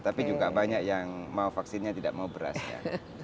tapi juga banyak yang mau vaksinnya tidak mau berasnya